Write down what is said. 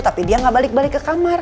tapi dia nggak balik balik ke kamar